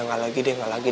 gak lagi deh